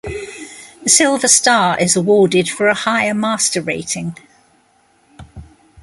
A silver star is awarded for a higher master rating.